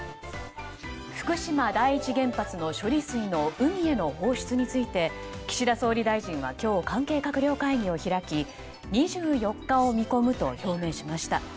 福島第一原発の処理水の海への放出について岸田総理大臣は今日、関係閣僚会議を開き２４日を見込むと表明しました。